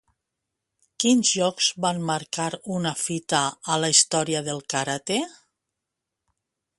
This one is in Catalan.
Quins jocs van marcar una fita a la història del karate?